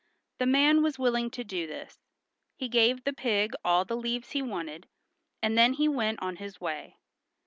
The man was willing to do this. He gave the pig all the leaves he wanted, and then he went on his way.